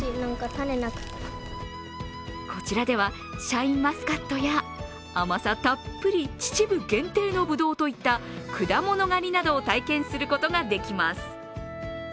こちらではシャインマスカットや、甘さたっぷり、秩父限定のぶどうといった果物狩りなどを体験することができます。